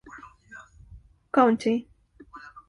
County.